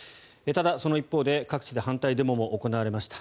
ただ、その一方で各地で反対デモも行われました。